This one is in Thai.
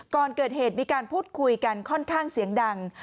ก่อนเกิดเหตุมีการพูดคุยกันค่อนข้างเสียงดัง